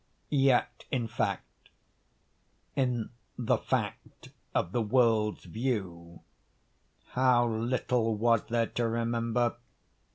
Yet in fact—in the fact of the world's view—how little was there to remember!